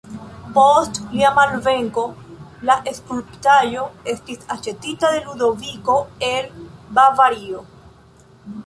Post lia malvenko, la skulptaĵo estis aĉetita de Ludoviko el Bavario.